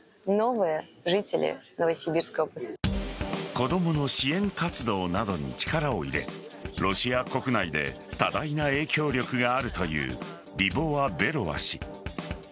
子供の支援活動などに力を入れロシア国内で多大な影響力があるというリボワ・ベロワ氏。